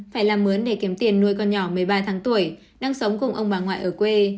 phải làm mướn để kiếm tiền nuôi con nhỏ một mươi ba tháng tuổi đang sống cùng ông bà ngoại ở quê